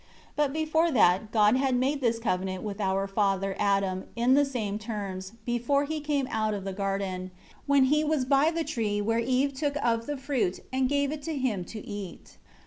7 But before that, God had made this covenant with our father, Adam, in the same terms, before he came out of the garden, when he was by the tree where Eve took of the fruit and gave it to him to eat.